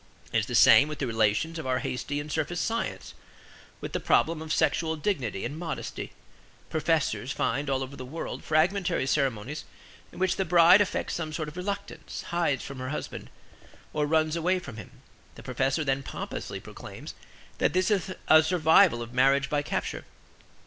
It is the same with the relations of our hasty and surface science, with the problem of sexual dignity and modesty. Professors find all over the world fragmentary ceremonies in which the bride affects some sort of reluctance, hides from her husband, or runs away from him. The professor then pompously proclaims that this is a survival of Marriage by Capture.